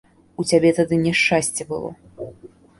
У цябе тады няшчасце было.